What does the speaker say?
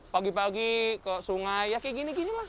pagi pagi ke sungai ya kayak gini gini lah